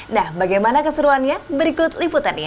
nah bagaimana keseruannya berikut liputannya